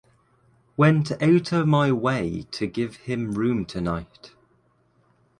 Went outta my way to give him room tonight.